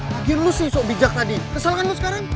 bikin lo sih sok bijak tadi kesel kan lo sekarang